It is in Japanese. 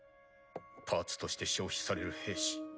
パーツとして消費される兵士。